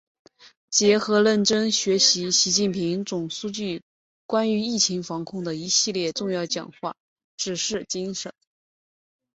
结合认真学习习近平总书记关于疫情防控的一系列重要讲话、指示精神